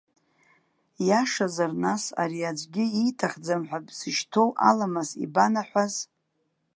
Иашазар, нас, ари аӡәгьы ииҭахӡам ҳәа бзышьҭоу аламыс ибанаҳәаз?